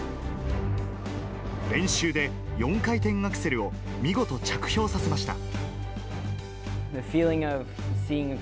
練習で４回転アクセルを見事着氷させました。